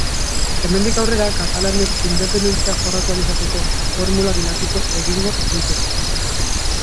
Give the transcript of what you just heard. Hemendik aurrera, katalanek independentzia jorratu ahal izateko formula bilatuko egingo dute.